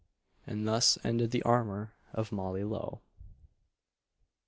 And thus ended the amour of Molly Lowe.